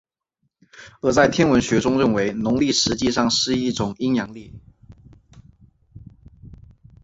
而在天文学中认为农历实际上是一种阴阳历。